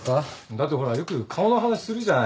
だってほらよく顔の話するじゃない。